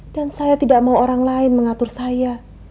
dan saya tidak mau orang lain mengatur saya